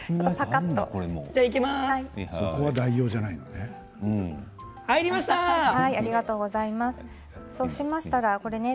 そこは代用じゃないのね。